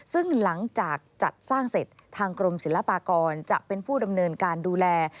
ซึ่งหลังจากจัดสร้างเสร็จทางกรมศิลปากรจะเป็นผู้ดำเนินการดูแล